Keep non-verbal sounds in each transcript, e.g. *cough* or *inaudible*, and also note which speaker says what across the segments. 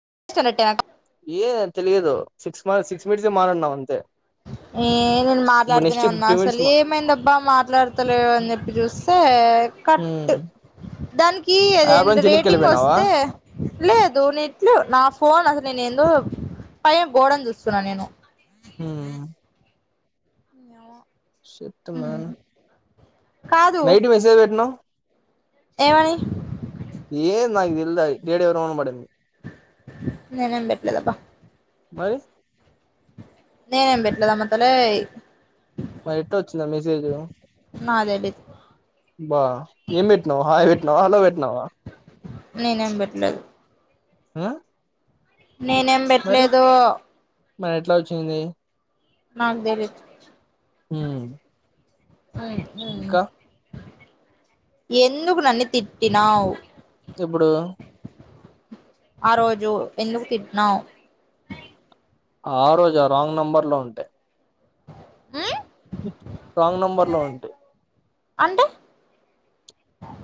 Speaker 1: *unintelligible*
Speaker 2: ఏ తెలియదు సిక్స్ మా six metres ఏ మాట్లాడినం అంతే
Speaker 1: ఏ నేను
Speaker 2: ఇప్పుడు
Speaker 1: మాట్లాడుతూనే
Speaker 2: నెక్స్ట్
Speaker 1: ఉన్నా
Speaker 2: ఫిఫ్టీ మినిట్స్
Speaker 1: అసలు
Speaker 2: మా
Speaker 1: ఏమైందబ్బా మాట్లాడతలే అని చెప్పి చూస్తే కట్,
Speaker 2: హ్మ్
Speaker 1: దానికి ఏదో
Speaker 2: యాప్
Speaker 1: ఎండ్
Speaker 2: నుంచి వెనక్కి
Speaker 1: రేటింగ్
Speaker 2: వెళ్ళిపోయినావా
Speaker 1: వస్తే లేదు నీట్లు నా ఫోన్ అసలు నేను ఎందో పై గోడని చూస్తున్నాను నేను
Speaker 2: ఉమ్ షట్ మాన్
Speaker 1: కాదు
Speaker 2: నైట్ మెసేజ్ పెట్టనవ్
Speaker 1: ఏమని
Speaker 2: ఏ నగ్ తెల్దయి డేటా ఎవ్రివన్ పడింది
Speaker 1: నేనేం పెట్లేదబా
Speaker 2: మరి
Speaker 1: నేన్ ఏం పెట్లేదమ్ మ తలే
Speaker 2: మరి ఎట్టు వచ్చింది ఆ మెసేజు
Speaker 1: నాదేబి
Speaker 2: ఏం పెట్టినావ్ హాయ్ పెట్టినావా హలో పెట్టినావా
Speaker 1: నేనేం పెట్లేద్
Speaker 2: హ
Speaker 1: నేనేం పెట్టలేదు
Speaker 2: మరి ఎట్లా వచ్చింది
Speaker 1: నాక్ తెలీదు
Speaker 2: హ్మ్
Speaker 1: హ్మ్ హ్మ్
Speaker 2: ఇంకా
Speaker 1: ఎందుకు నన్నీ తిట్టినావ్
Speaker 2: ఎప్పుడూ
Speaker 1: ఆ రోజు ఎందుకు తిట్నావ్
Speaker 2: ఆ రోజా రాంగ్ నెంబర్ లో ఉంటి
Speaker 1: హ్మ్
Speaker 2: రాంగ్ నంబర్ లో ఉంటి
Speaker 1: అంటే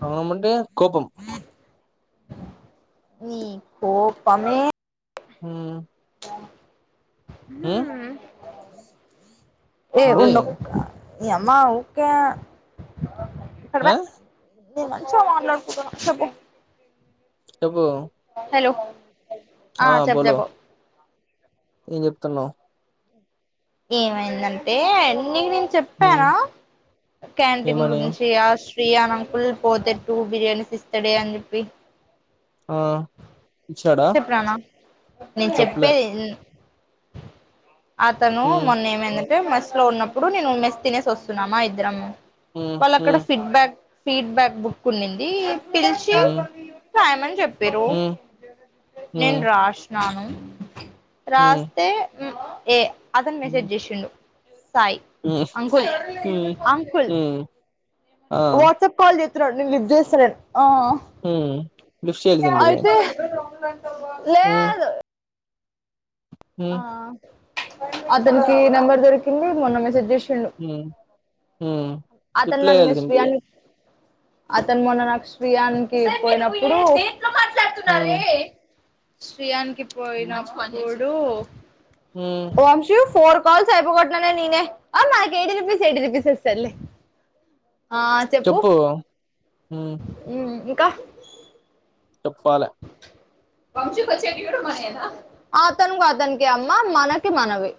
Speaker 2: అవునమంటే కోపం
Speaker 1: నీ కోపమే
Speaker 2: హు
Speaker 1: హ్మ్ ఏ
Speaker 2: ఏంది
Speaker 1: ఉండ్ ఒక్క నీ అమ్మా ఊకే
Speaker 2: ఆ
Speaker 1: నేన్ మంచిగా మాట్లాడుకుంటున్న చెప్పు
Speaker 2: చెప్పు
Speaker 1: హలో ఆ చెప్పు చెప్
Speaker 2: ఏం చెప్తున్నావ్
Speaker 1: ఏమైందంటే నీ నిన్
Speaker 2: హ్మ్
Speaker 1: క్యాంటీన్
Speaker 2: ఏమని
Speaker 1: గురించి ఆష్ ప్రియాణంకుల్ పోతే టూ బిర్యానీ ఇప్పిస్త డే అని చెప్పి
Speaker 2: ఆ ఇచ్చాడా
Speaker 1: చెప్పినాన నేన్
Speaker 2: చెప్పలే
Speaker 1: చెప్పేది న్ అతను
Speaker 2: హ్మ్
Speaker 1: మొన్న ఏమంది న్ టే మస్ లో ఉన్నప్పుడు నేను మెస్ తినేసి వస్తున్నామా ఇద్దరం
Speaker 2: హ్మ్
Speaker 1: వాళ్ళు
Speaker 2: హ్మ్
Speaker 1: అక్కడ ఫీడ్బ్యాక్ ఫీడ్బ్యాక్ బుక్ ఉన్నింది పిలిచి
Speaker 2: హ్మ్
Speaker 1: రాయమని చెప్పిర్రు
Speaker 2: హ్మ్
Speaker 1: నేను
Speaker 2: హ్మ్
Speaker 1: రాష్ నను
Speaker 2: హ్మ్
Speaker 1: రాస్తే ఏ అతను
Speaker 2: హ్మ్
Speaker 1: మెసేజ్ చేసిండు సాయి
Speaker 2: హ్మ్
Speaker 1: అంకులే
Speaker 2: హ్మ్
Speaker 1: అంకుల్
Speaker 2: హ్మ్ ఆ
Speaker 1: వాట్సాప్ కాల్ చెతున్నాడు నేను లిఫ్ట్ చెత్తలేను ఆ
Speaker 2: హ్మ్ లిఫ్ట్ చేయాల్సింటివి
Speaker 1: అయితే ఆ
Speaker 2: హ్మ్
Speaker 1: లేదు ఆ
Speaker 2: హ్మ్
Speaker 1: అతనికి నెంబర్ దొరికింది మొన్న మెసేజ్ చేసి
Speaker 2: హు హు
Speaker 1: అతను నన్ను *unintelligible* అతను మొన్న *unintelligible* యానికి పోయినప్పుడు
Speaker 2: హ్మ్
Speaker 1: శ్రీయాన్కి పోయినా
Speaker 2: హ్మ్
Speaker 1: అప్పుడు దొ
Speaker 2: హ్మ్.
Speaker 1: ఓ అన్షు ఫోర్ కాల్స్ అయిపోగొట్టిన నేనే ఆ మా ఎయిటీ రుపీస్ ఎయిటీ రుపీస్ వస్తాది లే ఆ చెప్పు
Speaker 2: హ్మ్
Speaker 1: ఇంకా
Speaker 2: *unintelligible*
Speaker 1: అతను అతనీకే అమ్మ మనకి మనవి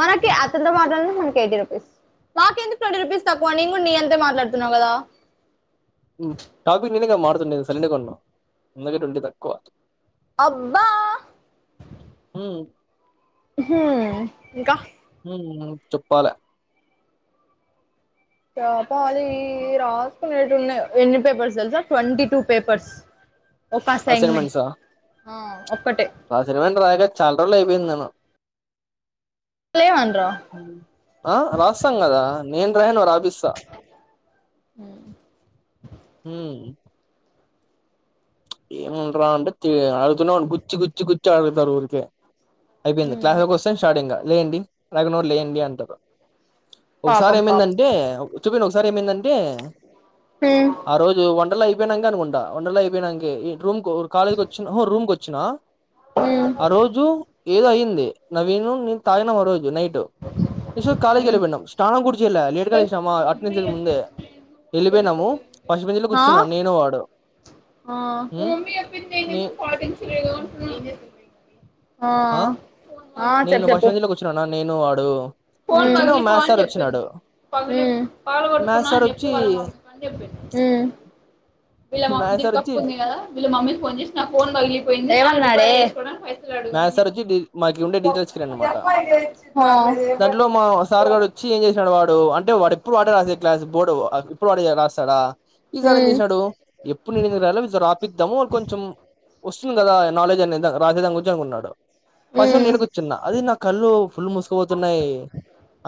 Speaker 1: మనకి
Speaker 2: హ్మ్
Speaker 1: అతనీతో మాటల ఎయిట్ రపీస్ నాకెందుకు ట్వంటీ రూపీస్ తక్కువ నేను కూడా నీ ఎంతే మాట్లాడుతున్నావు కదా
Speaker 2: టాపిక్ నేనే కాదా మాట్లాడుతున్నేది నేను సైలెంట్ ఉన్నావ్ అందుకే ట్వంటీ తక్కువ
Speaker 1: అబ్బా
Speaker 2: హ్మ్
Speaker 1: హు ఇంకా
Speaker 2: హు చెప్పాలి
Speaker 1: స్టాప్ పాలి రాజ ఎన్ని పేపర్స్ తెలుసా ట్వంటీ టు పేపర్స్ ఒక అసైన్మెంట్
Speaker 2: అసైన్మెంట్సా
Speaker 1: అహ
Speaker 2: అసైన్మెంట్ చాలా రోజులు అయిపోయింది నేను
Speaker 1: లేవనరా
Speaker 2: హు ఆ రాస్తాం కదా నేను రాయను రా రేపిస్త హు ఏముంటది అంటే తి ఆడు తోనేని గుచ్చి గుచ్చి గుచ్చి ఆడుగుతారు జే అయిపోయింది క్లాస్ లోకి వస్తే స్టార్టింగ్ లేండి నాకు నోరు లేండి అంటారు ఒకసారి
Speaker 1: పాపం పాపం
Speaker 2: ఏమైందంటే చూపిన ఒ ఒకసారి ఏమందంటే ఆ రోజు వండర్లా అయిపోయినంక అనుకుంటా వండర్లా అయిపోయినంక ఏ రూమ్ కాలజ్ వచ్చ రూమ్ కి వచ్చి వచ్చిన ఆ రోజు ఏద అయింది నవీను నిను తాగినం ఆ రోజునైట్ కాలేజ్ కి వెళ్ళిపోయినాం స్నానంకుడా చేయలే లేటుగా లేచినం అమ్మవారు అట్నుంచి ముందే వెళ్ళిపోయినాము ఫస్ట్ బెంచ్ ల
Speaker 1: ఆ
Speaker 2: కూర్చున్నాం నేను వాడు
Speaker 1: ఆ
Speaker 2: ఉమ్,
Speaker 1: మమ్ీ అప్ప
Speaker 2: నే ఆ నేను ఫస్ట్ బెంచీలో కూర్చున్నాను నేను వాడు అప్పుడు
Speaker 1: హు
Speaker 2: మ్యాథ్స్ సార్ వచ్చి
Speaker 1: హు
Speaker 2: మ్యాథ్స్ సార్ వచ్చి
Speaker 1: హు ఏమన్నాడే కూడా
Speaker 2: మ్యాథ్స్ సార్ వచ్చి మాకి ఉండే డిజిటల్
Speaker 1: ఆ
Speaker 2: ఇట్లో మా సార్ గాడు వచ్చి ఏం చేసాడు వా వాడు అంటే వాడు ఎప్పుడు వాడే రాస్తాడు క్లాస్ బోర్డు ఇప్పుడు వాడే రాస్తాడా ఈసారి ఏం
Speaker 1: ఉమ్
Speaker 2: చేశాడు. ఎప్పుడు నేను రాయాల సర్ రాపిద్దాము వాళ్ళ కొంచెం వస్తుంది కదా. నాలజ్ అనింద రాసే దాన్ గురించ్ గా ఉన్నాడు పస్టూవు
Speaker 1: ఉమ్
Speaker 2: నేను కూర్చున్నా. అది నా కళ్ళు ఫుల్ మూసుకుపోతున్నాయి.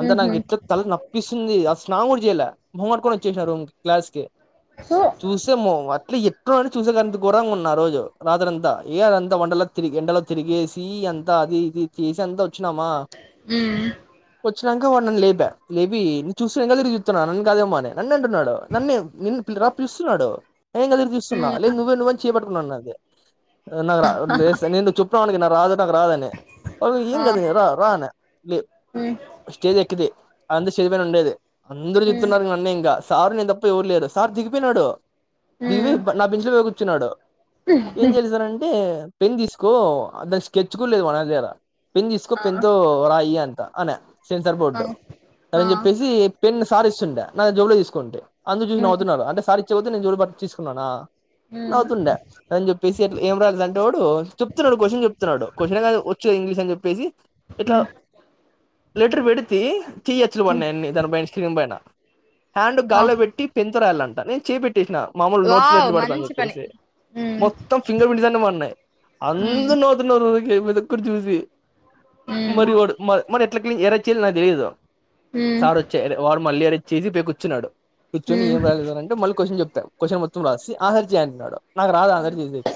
Speaker 2: అంతా నాకు
Speaker 1: ఉహు
Speaker 2: ఎట్లా తల నప్పిస్తుంది. ఆ స్నాడి *unintelligible* జిలా మోమ్ కార్కొని వచ్చేసా రూమ్ క్లాస్ కి
Speaker 1: సో
Speaker 2: చూస్తే మో అట్లే ఏ చూసేఘరంగా ఉన్న ఆ రోజు రాత్రింతా ఏదంతా వండలో తిరిగి ఎండ ల తిరిగేసి ఎంత అది ఇది చేసి అంత వచ్చినామా.
Speaker 1: హ్మ్
Speaker 2: వచ్చినాక వాడి నన్ను లేప. లేపి చూస్తే వెనుకకి తిరిగి చూస్తే నన్ను కాదేమోనని నన్న అంటున్నాడు నన్నే నిన్ను పిల్ రా పిలుస్తున్నాడు. ఏం కదిరు తీస్తున్నా
Speaker 1: ఉమ్
Speaker 2: లేదు నువ్వే నువ్వేని చేపట్టుకున్నా నాది నాక్ రాడ్ లెడ్ సార్ చెప్ చెప్పివనికి నా రాదు నాకు రాదని, ఒక ఏం
Speaker 1: ఆ
Speaker 2: కదు అని రా రా
Speaker 1: ఉమ్
Speaker 2: స్టేజ్ ఎక్కికి. అందు చదిపోయిన ఉండేది అందరు
Speaker 1: ఉమ్
Speaker 2: చుతునారు నన్నే ఇంకా సార్ నేను తప్ప ఎవ్వరు లేరు సార్ దిగిపోయినాడు.
Speaker 1: ఉమ్
Speaker 2: దిగిపోయి నా బెంచ్ లో పోయి కూర్చున్నాడు ఏం చేయాలి సార్ అంట్ అంటే పెన్ తీసుకో అ దాని స్కెచ్ కూడా లేదు మనదర పెన్ తీసుకో
Speaker 1: ఆ
Speaker 2: పెన్ తొ రాయి అంత అనే సెన్సర్
Speaker 1: ఆ
Speaker 2: బోర్డు
Speaker 1: ఆ
Speaker 2: అన్నని చెప్పేసి పెన్ సారి తీస్ సుండే నా జబ్బు తీసుకోంటే అందు చూసి
Speaker 1: ఉమ్
Speaker 2: నవ్వుతున్నారు అంటే సారిచ్చతే, నేను చూడ తీసుకున్నానా,
Speaker 1: ఉమ్
Speaker 2: నవుతుండే అని చెప్పేసి అట్లా, ఏం రాదు అంటే వాడు చెప్తున్నాడు. క్వశ్చన్ చెప్తున్నాడు క్వశ్చన్ వచ్చుది. ఇంగ్లీష్ అని చెప్పేసి ఇట్లా
Speaker 1: ఉమ్
Speaker 2: లెటర్ పెడితే, చెయ్యొచ్చులు
Speaker 1: ఉమ్
Speaker 2: పడియన్ని దా పైన స్క్రీన్ పైన హ్యాండ్
Speaker 1: ఆ
Speaker 2: గాల్లో పెట్టి, పెన్ తో రాయాలంట నేను చేయి పెట్, చేసిన మాలు నోట్స్ లో
Speaker 1: వావ్ మంచి పని
Speaker 2: చెప్పేసి
Speaker 1: ఉమ్
Speaker 2: మొత్తం ఫింగర్ ప్రిట్న్నాయి ఆ
Speaker 1: ఉమ్
Speaker 2: అందరు నవ్వుతున్నారు ఊరికే పెద్ద ఒక్కడ్ చూసి
Speaker 1: ఉమ్
Speaker 2: మరి వడు మ మరి ఎట్ ఎలా చేయాలో నాకు తెలీదు
Speaker 1: ఉమ్
Speaker 2: సారు వచ్చారు వాడు మల్లియరిచి చేసి పోయి కూర్చున్నాడు
Speaker 1: ఉమ్
Speaker 2: కూర్చొని ఏ
Speaker 1: ఉమ్
Speaker 2: రాలేద సార్ అంటేళ్ళీ కశ్చన్ చెప్ క్వశ్చన్ మొత్తం రాసి ఆన్సర్ చేయంటున్నాడు నాకు రాదు ఆన్సర్ చేసేకి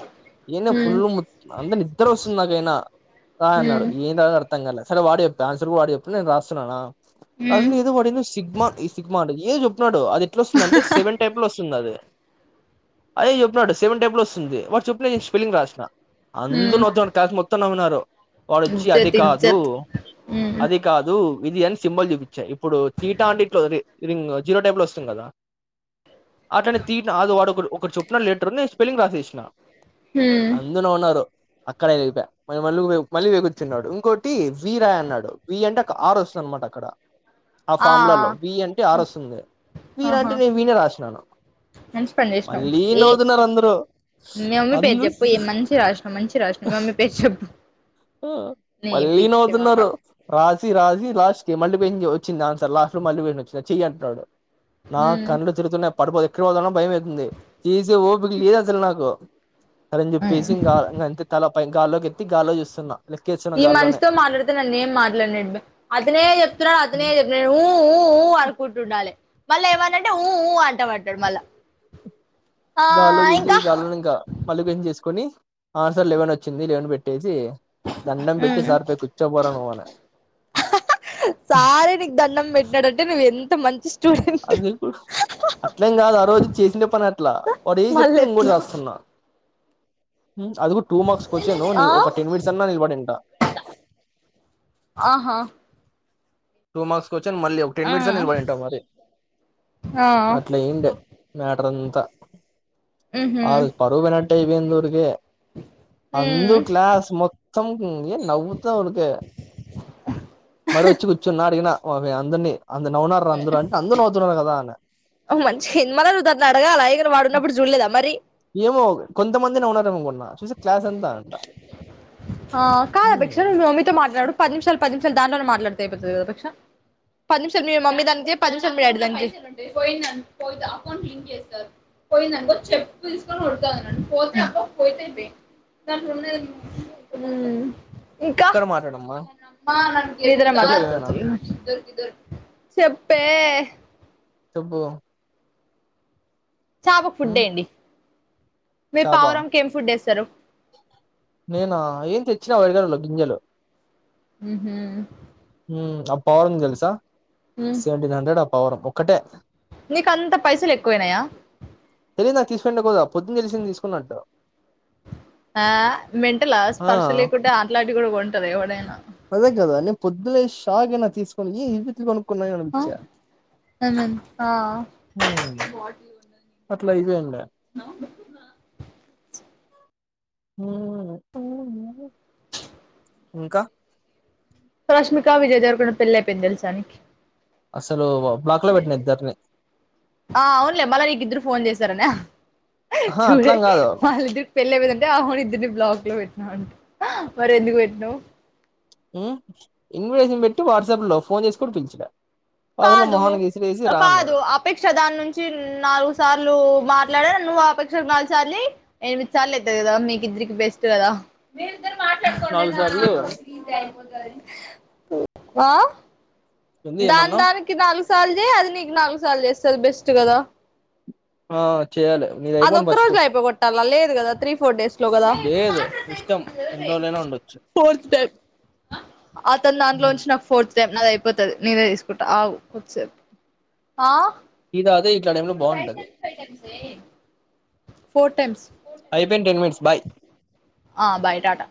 Speaker 2: ఈ నే ఫుల్ ముచ్ అందరు నిద్ర వస్తుంది నాకైనా రా
Speaker 1: ఉమ్
Speaker 2: అన్నాడు ఏం రాయాలో అర్థం కాల సరే వాడి చెప్ప, ఆన్సర్ కూడా వాడి చెప్పుడు. నేను రాస్తున్నానా.
Speaker 1: ఉమ్
Speaker 2: అసలేదో వాడు ఏందో సిగ్మా సిగ్మా ఏదో చెప్పినాడ్ అది ఎట్లా వస్తుంది, అంటే సెవెన్ టైప్ లో వస్తుంది అది. అయే చెప్పినాడు సెవెన్ టేబుల్ వస్తుంది. వాడు చెప్పిన నేను స్పెల్లింగ్ రాసిన. అందు
Speaker 1: ఉమ్
Speaker 2: నొత్తం కాసు మొత్తం నవినరు రో వాడొచ్చి అది
Speaker 1: ఇజ్జత్
Speaker 2: కాదు
Speaker 1: ఇజ్జత్ ఉమ్
Speaker 2: అది కాదు ఇది అని సింబల్ చూపించ ఇప్పుడు టీటా అంట ఇట్ల ఓరి రింగ్ జీరో టేబుల్ వస్తుంది కదా అట్లనే తీట అది వాడు ఒకడు ఒకడు చొప్పున లెటరు నేన్ స్పెలింగ్ రాసేసిన
Speaker 1: ఉమ్
Speaker 2: అందుర్ నవినారు అక్కడే ఎళిప వాని మళ్ళ మళ్ళీ వె కూర్చున్నాడు ఇంకోటి వి రాయ్ అన్నాడు వి అంటే ఒక ఆరు వస్తుంది అనమాట అక్కడ ఆ ఫార్ములాలో వి అంటే ఆరు వస్తుంది వి రా
Speaker 1: ఆహా
Speaker 2: అంటే నేను వి నే రాసినాను
Speaker 1: మంచి పని చేసినావు
Speaker 2: మళ్ళీ
Speaker 1: ఏ
Speaker 2: నోతున్నారు అందరు
Speaker 1: మీ మమ్మీ పేరు
Speaker 2: అందుస్
Speaker 1: చెప్పు ఏ మంచి రాసినవ్ మంచి రాసినవ్ మి మమ్మీ పేరు చెప్పు
Speaker 2: హు
Speaker 1: నీ
Speaker 2: మళ్ళీ
Speaker 1: పిచ్చి
Speaker 2: నవుతున్నారు
Speaker 1: మొఖం
Speaker 2: రాసి రాసి లాస్ట్ మళ పె వచ్చింది ఆన్సర్ తెల్లార్లు మళ్ళీ వచ్చా చెయ అంటాడు. నా
Speaker 1: ఉమ్
Speaker 2: కన్నడ చరుత్రం పడుపోద *unintelligible* భయం అయితుంది తీసే ఓపిక లేదు అసలు నాకు. అలానే
Speaker 1: ఉమ్
Speaker 2: చెప్పేసి ఇంకా అంతే తల పై గాల్లోకి ఎత్ గాల్లో చూస్తే చిన్నా
Speaker 1: ఈ మనిషితో మాట్లాడితే నన్ను ఏం మాట్లాడినడు. అతనే చెప్తున్నాడు అతనే ఊ ఊ ఊ అడుకుంటుండాలి. మళ్ళా ఏమనంటే ఊఊ అంటా వంటాడు మళ్ళా. ఆ
Speaker 2: గాల్లో చూసి
Speaker 1: ఇంకా
Speaker 2: గాల్లో ఇంకా మల్లికంచి చేసుకొని ఆ సార్ లెవెన్ వచ్చింది లెవెన్ పెట్టే
Speaker 1: ఉ హ్హ్హ్
Speaker 2: కూర్చోపోరా నువ్వు అని
Speaker 1: సారే నీకు దండం పెట్టినాడంటే నువ్వు ఎంత మంచి స్టూడెంట్
Speaker 2: అది అట్లేం కాదు. ఆ రోజు చేసిన పని అట్లా వాడు ఏ
Speaker 1: మళ్ళ
Speaker 2: చెప్తు ఇం కూడా
Speaker 1: ఎట్లా
Speaker 2: చేస్తున్న అదికూడా టూ మార్క్స్ క్వశ్చన్
Speaker 1: ఆ
Speaker 2: ఒక టెన్ మినిట్స్ అన్నా ఇవ్వడు ఇంకా.
Speaker 1: ఆహా
Speaker 2: టూ మర్క్స్ మళ్ళీ ఒక టెన్
Speaker 1: ఆ
Speaker 2: మినిట్స్ అ నిలబడి ఉంట మరి
Speaker 1: ఆ
Speaker 2: అట్లా ఎంలే మ్యాటర్ అంతా
Speaker 1: ఉహు
Speaker 2: పరువుపోయినట్టటు అయిపోయింది. ఊరికె అందు క్లాస్ మొత్తం ఏ నవ్వుతాఊకే మరి వచ్చి అడిగిన ఓ వె అందరినీ అందరు నవ్వునారు అందరూ అంటే అందరూ నవ్వుతున్నారు కదా అని
Speaker 1: ఊ మంచిగా అయింది మన దాన్ని అడగాల ఇడ్ పడున్నప్పుడు చూడలేదా మరి
Speaker 2: ఏమో *unintelligible* అంతా అంట
Speaker 1: ఆ కాదు బీక్ష
Speaker 2: హ్మ్.
Speaker 1: నువు మమ్మీతో మాట్లాడు పది నిమిషాలు, పది నిమిషాలు దాంట్లోనే మాట్లాడు. అయితుంది కదా బిక్ష పది నిమిషాలు మీ మమ్మీ దానిక చేయి, పది నిమిషాలు డాడీ దానికి చేయి, పోయింద పోయి అకౌంట్ లింక్ చేస్తారు పోయిందినుకో చెప్పు తీసుకొనిడతారు నన్ను. పోతే అకౌంట్ పోతే పో దాంట్లో ఉన్నది ఊ ఇంకా
Speaker 2: ఇక్కడ
Speaker 1: *unintelligible*
Speaker 2: మాట్లాడమ్మా చెప్పు ఏమైనా
Speaker 1: *unintelligible* చెప్పే
Speaker 2: తుబ్బో
Speaker 1: చాపకు ఫుడ్ ఏండి మీ
Speaker 2: చాప
Speaker 1: పావురంకి ఏం ఫుడ్ వేస్తారు?
Speaker 2: ఇచ్చనవ్ వేరేవాల్లి కి గింజలు
Speaker 1: ఊహ
Speaker 2: ఊ అబ్బా ఉంది తెల్సా సెవెటీన్ హండ్రెడ్ పౌరం ఒక్కటే
Speaker 1: నికంతా పైసలు ఎక్కువైనయా
Speaker 2: లేదు నాకు తీసుకుంటకోద పొద్దున్న తెలిసింది తీసుకున్నట్టు
Speaker 1: ఆ మెంటలా
Speaker 2: ఆ
Speaker 1: స్పర్శలేకుంట ఆట్లాటి కూడా కొన్ టరు ఎవడైనా
Speaker 2: అదే గద నేను పొద్దులేషి షాక్ అయిన తీస్కొని ఏ ఏంటిది *unintelligible*
Speaker 1: ఆ ఏమైంది ఆ
Speaker 2: హ్మ్ అట్లా ఇవేండ హ్మ్ ఇంకా
Speaker 1: రష్మికా విజయదేవరకొండ పెళ్లి అయిపోయింది తెలుసా నీకి
Speaker 2: అసలు వా
Speaker 1: ఆ అవునులే మళ్ళ నీకు ఇద్దరు ఫోన్ చేస్ తరన
Speaker 2: ఆహా
Speaker 1: చూడే
Speaker 2: అట్లం కాదు
Speaker 1: మాలడు పెళ్ళి అయిపోయిందంటే ఆహోను ఇద్దరిని బ్లాక్ లో పెట్టినా అంట మరి ఎందుకు పెట్టినవ్
Speaker 2: ఉ ఇన్విటేషన్ పెట్టి వాట్సాప్ లో ఫోన్ చేసి కూడా పిలిచిన అసలు
Speaker 1: కాదు
Speaker 2: మొహానికి విసిరేసి రా
Speaker 1: కాదు
Speaker 2: అన్నారు
Speaker 1: అపేక్ష దాని నుంచి నాలుగు సార్లు మాట్లాడ నువ్వు ఆపేక్ష ఒక నాలుగు సార్లు ఎనిమిది సార్లు అతుది కదా మీకు ఇద్దరికి బెస్ట్ కదా మీరి ఇద్దరు మాట్లాడుకోండి
Speaker 2: నాలుగు సార్లు
Speaker 1: నాకు ఫ్రీ టైమ్ ఆ
Speaker 2: ఏంది
Speaker 1: దన్
Speaker 2: ఏమన్నావ్
Speaker 1: దానికి నాలుగు స సర్లు చేయి అది నీకు నాలుగు సార్లు చేస్తది బెస్ట్ కదా
Speaker 2: ఆ చేయాలి నీది
Speaker 1: అది
Speaker 2: అయిపోను
Speaker 1: ఒక్క
Speaker 2: ఫస్ట్
Speaker 1: రోజులో అయిపో కొట్టాలా లేదు కదా త్రీ ఫోర్ డేస్ లో కదా
Speaker 2: లేదు ఇష్టం ఎన్ని రోజులైనా ఉండొచ్చు
Speaker 1: ఫోర్త్ టైమ్ అతని దాంట్లో నుంచి నాకు ఫోర్ నాది అయిపోతది నీదే తీసుకుంటా ఆగు కొద్దిసేప్ ఆ
Speaker 2: *unintelligible* బాగుంటది
Speaker 1: ఫోర్ టైమ్స్
Speaker 2: అయిపోయింది టెన్ మినిట్స్ బాయ్
Speaker 1: ఆ బాయ్ టాటా